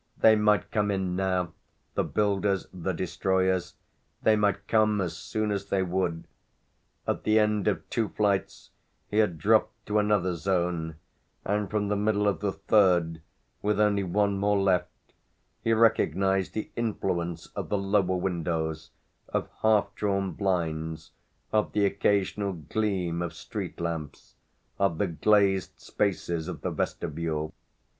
They might come in now, the builders, the destroyers they might come as soon as they would. At the end of two flights he had dropped to another zone, and from the middle of the third, with only one more left, he recognised the influence of the lower windows, of half drawn blinds, of the occasional gleam of street lamps, of the glazed spaces of the vestibule.